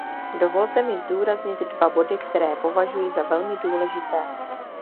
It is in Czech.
Dovolte mi zdůraznit dva body, které považuji za velmi důležité.